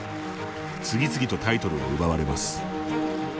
次々とタイトルを奪われます。